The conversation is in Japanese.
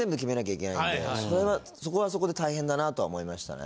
それはそこはそこで大変だなとは思いましたね。